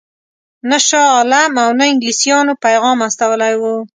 نه شاه عالم او نه انګلیسیانو پیغام استولی وو.